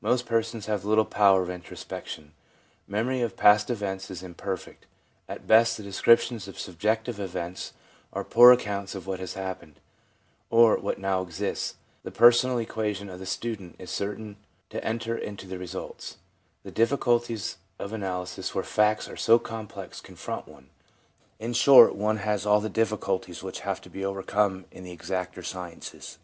Most persons have little power of introspection ; memory of past events is imperfect ; at best, the descriptions of sub jective events are poor accounts of what has happened, or what now exists ; the personal equation of the student is certain to enter into the results; the difficulties of analysis where facts are so complex confront one — in short, one has all the difficulties which have to be over come in the exacter sciences.